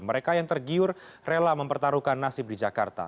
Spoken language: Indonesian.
mereka yang tergiur rela mempertaruhkan nasib di jakarta